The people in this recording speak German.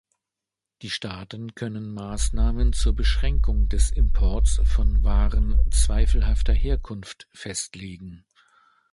Die Staaten können Maßnahmen zur Beschränkung des Imports von Waren zweifelhafter Herkunft festlegen.